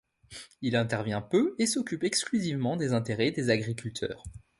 Il intervient peu et s'occupe exclusivement des intérêts des agriculteurs.